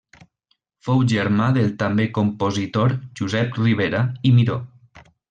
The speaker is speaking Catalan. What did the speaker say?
Fou germà del també compositor Josep Ribera i Miró.